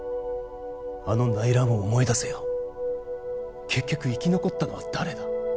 あの内乱を思い出せよ結局生き残ったのは誰だ？